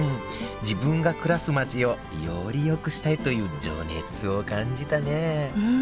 自分が暮らす街をより良くしたいという情熱を感じたねうん。